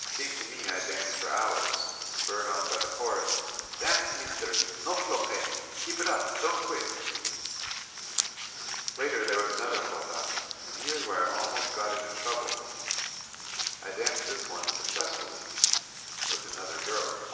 It seemed to me I danced for hours, spurred on by the chorus: ^*Dance, meester ! No floje! Keep it up ! Don't quit !" Later there was another jota^ and here's where I al most got into trouble. I danced this one successfully — ^with another girl.